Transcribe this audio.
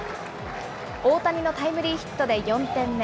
大谷のタイムリーヒットで４点目。